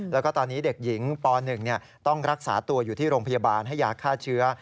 แล้วก็ตอนนี้เด็กหญิงป๑ต้องรักษาตัวอยู่ที่โรงพยาบาลให้ยาฆ่าเชื้อ